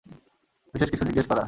বিশেষ কিছু জিজ্ঞেস করা।